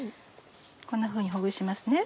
こんなふうにほぐしますね。